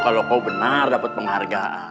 kalau kau benar dapat penghargaan